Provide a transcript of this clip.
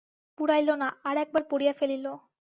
পুড়াইল না, আর-একবার পড়িয়া ফেলিল।